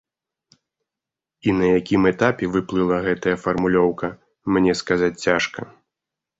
І на якім этапе выплыла гэтая фармулёўка, мне сказаць цяжка.